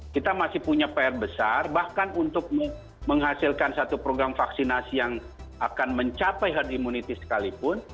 kita masih punya pr besar bahkan untuk menghasilkan satu program vaksinasi yang akan mencapai herd immunity sekalipun